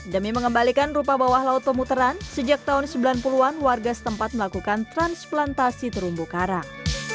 demi mengembalikan rupa bawah laut pemutaran sejak tahun sembilan puluh an warga setempat melakukan transplantasi terumbu karang